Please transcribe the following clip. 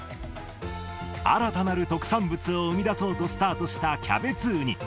新たなる特産物を生み出そうとスタートしたキャベツウニ。